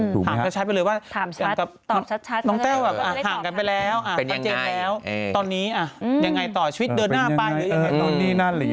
ถามให้ชัดไปเลยว่าน้องแชลห่างกันไปแล้วตะเจนแล้วตอนนี้ยังไงต่อชีวิตเดินหน้าไป